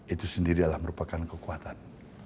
itu sendiri adalah merupakan kekuatan